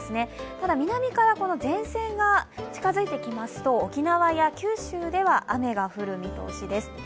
ただ南から前線が近づいてきますと、沖縄や九州では雨が降る見通しです。